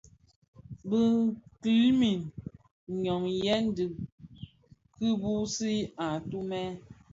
Bi kilmi nhyughèn dhi kibuusi atumè.